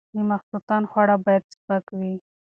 د ماخوستن خواړه باید سپک وي.